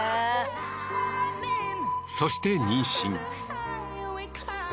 そして妊娠。